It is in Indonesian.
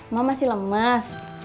mama masih lemas